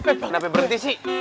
kenapa berhenti sih